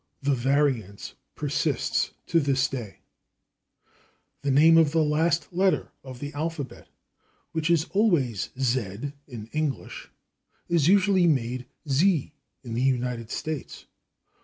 The variance persists to this day. The name of the last letter of the alphabet, which is always /zed/ in English, is usually made /zee/ in the United States.